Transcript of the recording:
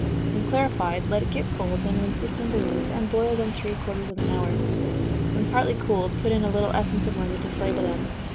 When clarified, let it get cold then rinse the cymbelines, and boil them three quarters of an hour. When partly cooled, put in a little essence of lemon to flavor them.